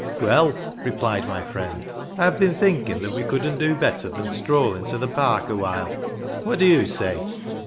" Well," replied my friend, " I have been thinking that we couldn't do better than stroll into the park a while. What do you say?"